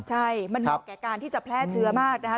ใช่มันเหมาะแก่การที่จะแพร่เชื้อมากนะคะ